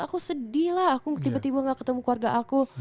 aku sedih lah aku tiba tiba gak ketemu keluarga aku